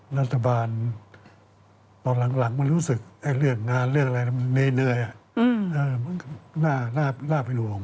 รัฐบาลตอนหลังมันรู้สึกเรื่องงานเรื่องอะไรมันเหนื่อยมันก็น่าเป็นห่วง